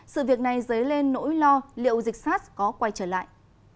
sự việc này dấy lên nỗi lo liệu dịch sars có quay trở lại